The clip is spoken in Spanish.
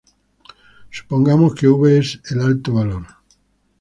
Supongamos que v es el alto valor.